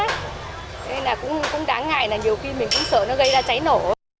thế nên là cũng đáng ngại là nhiều khi mình cũng sợ nó gây ra cháy nổ